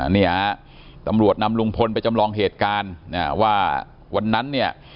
เนี่ยตำรวจนำลุงพลไปจำลองเหตุการณ์ว่าวันนั้นเนี่ย